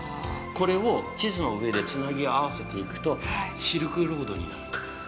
これを地図の上でつなぎ合わせていくと、シルクロードになるんです。